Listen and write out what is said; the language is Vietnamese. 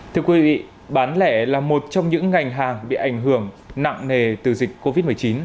thưa quý vị bán lẻ là một trong những ngành hàng bị ảnh hưởng nặng nề từ dịch covid một mươi chín